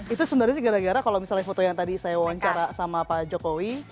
itu sebenarnya sih gara gara kalau misalnya foto yang tadi saya wawancara sama pak jokowi